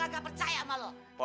kok gak percaya sama lo